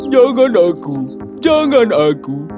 jangan aku jangan aku